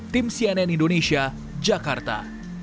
tim cnn indonesia jakarta